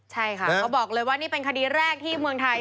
ใช่ค่ะเขาบอกเลยว่านี่เป็นคดีแรกที่เมืองไทย